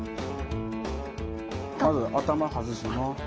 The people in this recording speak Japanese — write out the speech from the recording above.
まず頭外します。